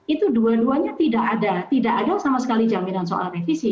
itu dua duanya tidak ada tidak ada sama sekali jaminan soal revisi